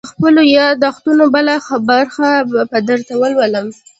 _د خپلو ياد دښتونو بله برخه به درته ولولم.